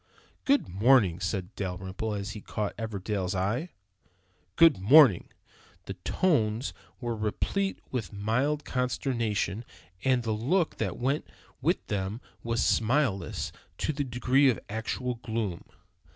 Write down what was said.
"Good morning!" said Dalrymple, as he caught Everdell's eye! "Good morning!" The tones were replete with mild consternation, and the look that went with them was smileless to the degree of actual gloom.